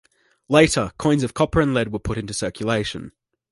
Later, coins of copper and lead were put into circulation.